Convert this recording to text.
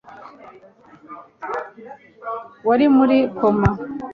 Wari muri koma